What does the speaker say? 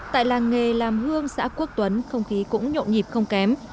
tại làng nghề làm hương xã quốc tuấn không khí cũng nhộn nhịp không kém